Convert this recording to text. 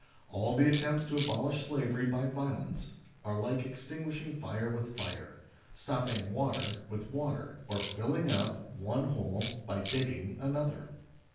All the attempts to abolish slavery by violence, are like extinguishing fire with fire, stopping water with water, or filling up one hole by digging another.